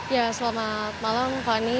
ya selamat malam fani